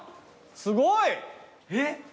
すごい！えっ！